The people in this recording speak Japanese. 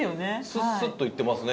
スッスッといってますね。